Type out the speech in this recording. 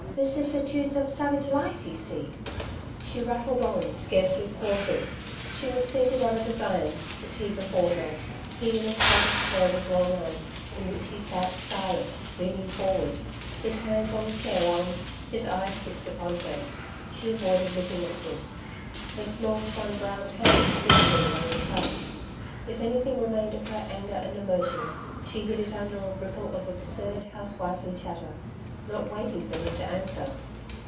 Vicissitudes of savage life, you see!' She rattled on, scarcely pausing. She was seated on a divan, the tea before her he in a squatter's chair with long arms, in which he sat silent, leaning forward, his hands on the chair arms, his eyes fixed upon her. She avoided looking at him. Her small sun browned hands fidgeted among the cups. If anything remained of her anger and emotion, she hid it under a ripple of absurd housewifely chatter, not waiting for him to answer.